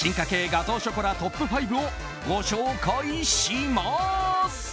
ガトーショコラトップ５をご紹介します！